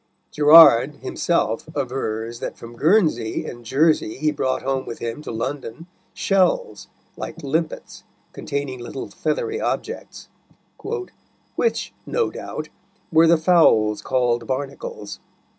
Gerard himself avers that from Guernsey and Jersey he brought home with him to London shells, like limpets, containing little feathery objects, "which, no doubt, were the fowls called Barnacles."